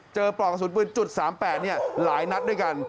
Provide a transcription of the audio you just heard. ปลอกกระสุนปืน๓๘หลายนัดด้วยกัน